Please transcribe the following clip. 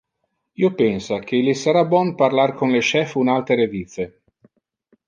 Io pensa que il essera bon parlar con le chef un altere vice.